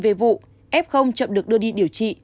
về vụ f chậm được đưa đi điều trị